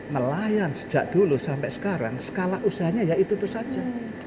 nelayan sejak dulu sampai sekarang skala usahanya ya itu saja